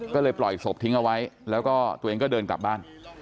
ก็เลยปล่อยศพทิ้งเอาไว้แล้วก็ตัวเองก็เดินกลับบ้าน